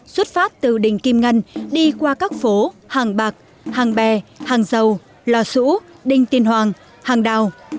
xuất phát từ đình kim ngân đi qua các phố hàng bạc hàng bè hàng dầu lò sũ đinh tiên hoàng hàng đào